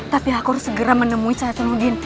tapi aku harus segera menemui syekh hasanuddin